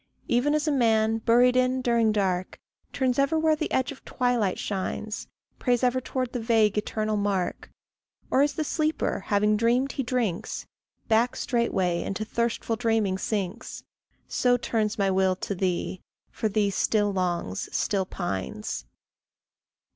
Even as a man, buried in during dark, Turns ever where the edge of twilight shines, Prays ever towards the vague eternal mark; Or as the sleeper, having dreamed he drinks, Back straightway into thirstful dreaming sinks, So turns my will to thee, for thee still longs, still pines.